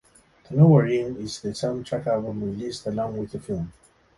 The Nowhere Inn is the soundtrack album released along with the film.